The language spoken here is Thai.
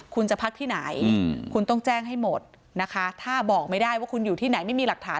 คุณจะพักที่ไหนคุณต้องแจ้งให้หมดนะคะถ้าบอกไม่ได้ว่าคุณอยู่ที่ไหนไม่มีหลักฐาน